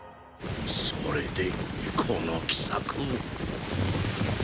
それでこの奇策を！